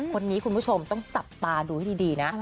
คุณผู้ชมต้องจับตาดูให้ดีนะ